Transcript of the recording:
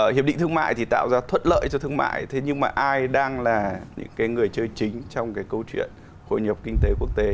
hiệp định thương mại thì tạo ra thuất lợi cho thương mại nhưng mà ai đang là những người chơi chính trong câu chuyện hội nhập kinh tế quốc tế